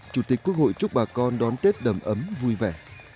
chủ tịch quốc hội chúc bà con đón tết đầm ấm vui vẻ